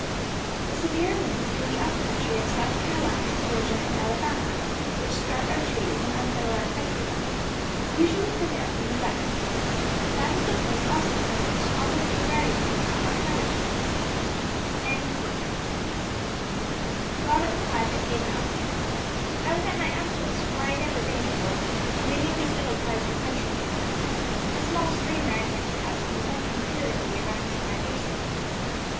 The severe winds through the up country of South Carolina, Georgia and Alabama, which start our trees and unsettle our fences, usually prevail from the west. That is the point also from which almost invariably come our thunder storms. Robert replied that he had not. "I was at my uncle's, where I had never been before, in a newly settled part of the country. A small stream ran near his house, and bent considerably around his plantation.